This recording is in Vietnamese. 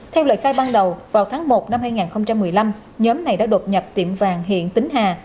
theo lời khai ban đầu vào tháng một năm hai nghìn một mươi năm nhóm này đã đột nhập tiệm vàng hiện tính hà